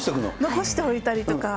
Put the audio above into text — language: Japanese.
残しておいたりとか。